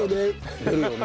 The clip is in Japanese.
出るよね。